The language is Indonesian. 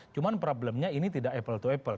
cuma problemnya ini tidak apple to apple